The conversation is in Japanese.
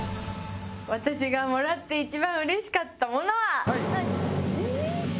私がもらって一番うれしかったものは。